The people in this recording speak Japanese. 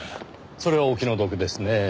それはお気の毒ですねぇ。